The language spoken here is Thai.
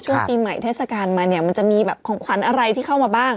ช่วงปีใหม่เทศกาลมาเนี่ยมันจะมีแบบของขวัญอะไรที่เข้ามาบ้าง